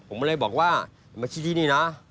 ผมก็เลยบอกว่ามาชี้ที่นี่นะ